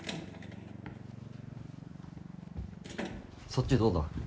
そっちどうだ？